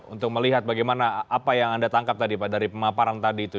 untuk melihat bagaimana apa yang anda tangkap tadi pak dari pemaparan tadi itu